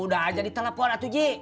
udah aja ditelepon atuji